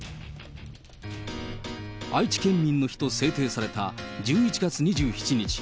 あいち県民の日と制定された１１月２７日。